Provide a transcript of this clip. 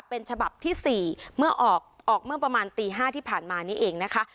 เป็นฉบับที่๔เมื่อออกเมื่อประมาณตี๕ที่ผ่านมานี่เองนะคะ